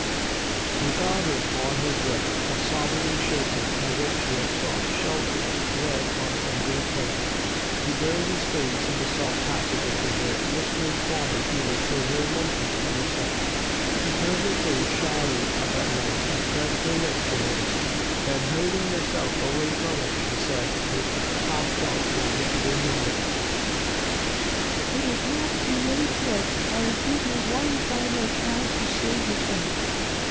He found her upon his breast, sobbing and shaking as if she had sought shelter there from some great peril. He buried his face in the soft masses of her hair, whispering fondly to her till her emotion spent itself. She turned her face shyly up at length and pressed her lips to his. Then, holding herself away from him, she said, with a half doubtful yet radiant look: "It is not too late yet. I will give you one final chance to save yourself."